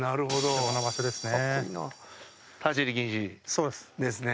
そうです。